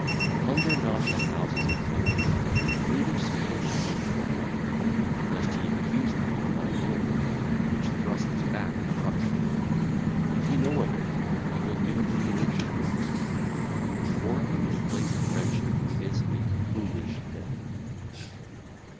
Plunder not the houses of tenants; neither steal the things of a friend, lest he accuse thee in thine hearing, which thrusteth back the heart. If he know of it, he will do thee an injury. Quarrelling in place of friendship is a foolish thing.